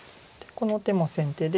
この手も先手で。